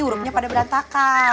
urupnya pada berantakan